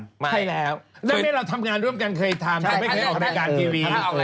ใช่แล้วเรื่องนี้เราทำงานร่วมกันเคยทำเราไม่เคยออกรายการทีวี